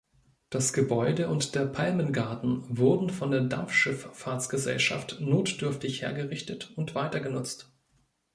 Das Gebäude und der Palmengarten wurden von der Dampfschiffahrtsgesellschaft notdürftig hergerichtet und weitergenutzt.